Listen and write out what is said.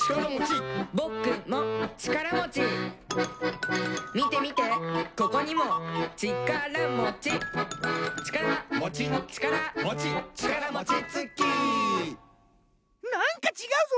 「ぼくもちからもち」「みてみてここにもちからもち」「ちから」「もち」「ちから」「もち」「ちからもちつき」なんかちがうぞ！